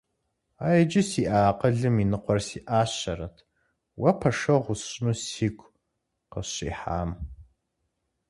А иджы сиӏэ акъылым и ныкъуэр сиӏащэрэт уэ пэшэгъу усщӏыну сигу къыщихьам.